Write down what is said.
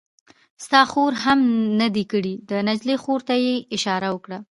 ستا خور هم نه دی کړی؟ د نجلۍ خور ته یې اشاره وکړه.